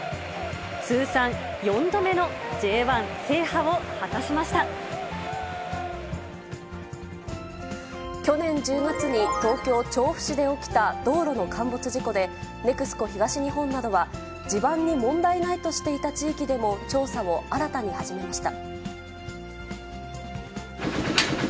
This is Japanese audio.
通算４度目のＪ１制覇を果たしま去年１０月に、東京・調布市で起きた道路の陥没事故で、ＮＥＸＣＯ東日本は、地盤に問題ないとしていた地域でも調査を新たに始めました。